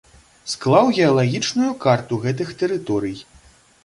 Склаў геалагічную карту гэтых тэрыторый.